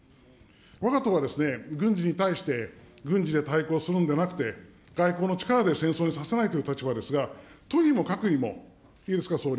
わが党はですね、軍事に対して軍事で対抗するんでなくて、外交の力で戦争にさせないという立場ですが、とにもかくにも、いいですか、総理。